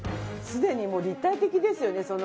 すでにもう立体的ですよね。